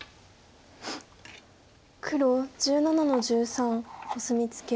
黒１７の十三コスミツケ。